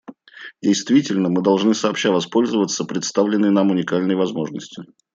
Действительно, мы должны сообща воспользоваться представленной нам уникальной возможностью.